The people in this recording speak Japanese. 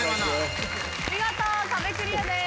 見事壁クリアです。